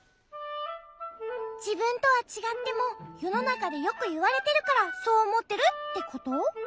じぶんとはちがってもよのなかでよくいわれてるからそうおもってるってこと？